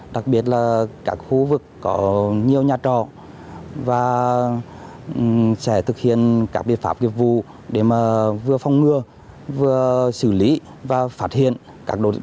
đặc biệt là các khu vực có nhiều nhà trọ và sẽ thực hiện các biện pháp nghiệp vụ để vừa phong ngừa vừa xử lý và phát hiện các đối tượng